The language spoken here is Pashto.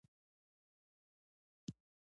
• وفاداري د انسان ښکلی صفت دی.